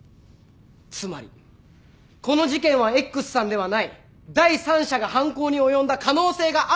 つまりこの事件はＸさんではない第三者が犯行に及んだ可能性があるということです。